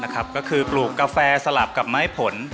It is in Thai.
ก็คือปลูกกาแฟสลับกับไม้ผล